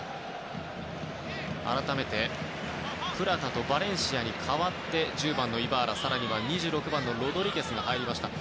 改めてプラタとバレンシアに代わって１０番のイバーラ更には２６番のロドリゲスが入りました。